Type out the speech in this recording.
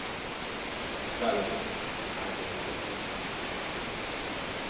Kale à ne éndendem,